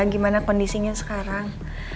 gimana kondisinya sekarang